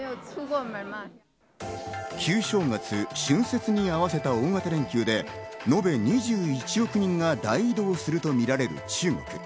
旧正月、春節に合わせた大型連休で、のべ２１億人が大移動するとみられる中国。